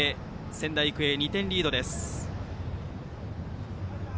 仙台育英、２点リードです。